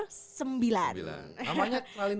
namanya terlalu dulu